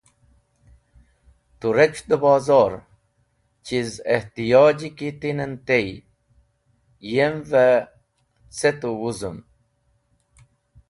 Tu rec̃h dẽ bozor, chiz ihtiyoji ki tinen tey, yem’v e ce tu wũzũm.